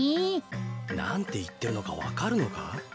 なんていってるのかわかるのか？